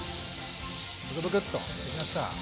ブクブクッとしてきました。